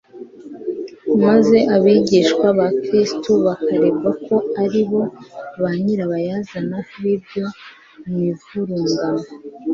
maze abigishwa ba Kristo bakaregwa ko ari bo ba nyirabayazana b'iyo mivurungano.